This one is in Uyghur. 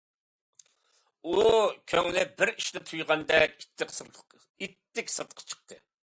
ئۇ كۆڭلى بىر ئىشنى تۇيغاندەك ئىتتىك سىرتقا چىقتى.